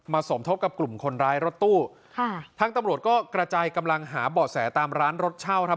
สมทบกับกลุ่มคนร้ายรถตู้ค่ะทางตำรวจก็กระจายกำลังหาเบาะแสตามร้านรถเช่าครับ